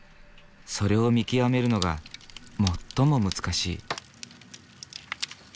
それを見極めるのが最も難しい。